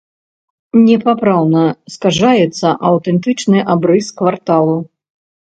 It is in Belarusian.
Непапраўна скажаецца аўтэнтычны абрыс кварталу.